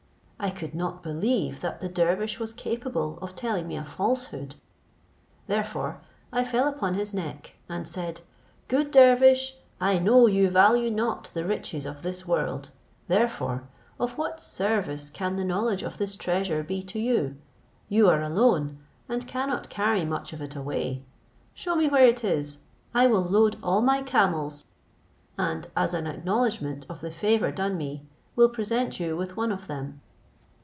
I could not believe that the dervish was capable of telling me a falsehood; therefore I fell upon his neck, and said, "Good dervish, I know you value not the riches of this world, therefore of what service can the knowledge of this treasure be to you? You are alone, and cannot carry much of it away; shew me where it is, I will load all my camels, and as an acknowledgment of the favour done me, will present you with one of them."